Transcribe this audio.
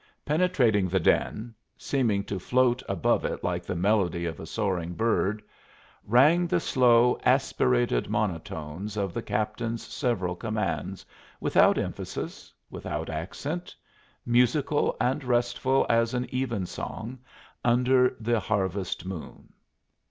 Penetrating the din seeming to float above it like the melody of a soaring bird rang the slow, aspirated monotones of the captain's several commands, without emphasis, without accent, musical and restful as an evensong under the harvest moon.